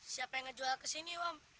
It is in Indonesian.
siapa yang ngejual kesini om